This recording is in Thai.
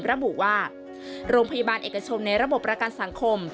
ระบุว่าโรงพยาบาลเอกชนในระบบประกันสังคม